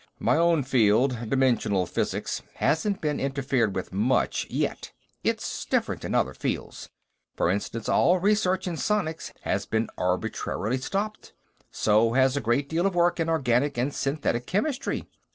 "My own field dimensional physics hasn't been interfered with much, yet. It's different in other fields. For instance, all research in sonics has been arbitrarily stopped. So has a great deal of work in organic and synthetic chemistry.